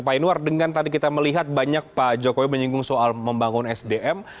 pak inwar dengan tadi kita melihat banyak pak jokowi menyinggung soal membangun sdm